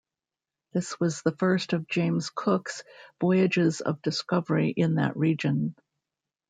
This was the first of James Cook's voyages of discovery in that region.